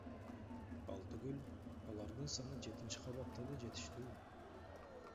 Ал түгүл алардын саны жетинчи кабатта да жетиштүү.